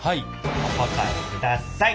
お答えください。